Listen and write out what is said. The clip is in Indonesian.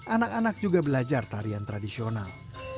anak anak juga belajar tarian tradisional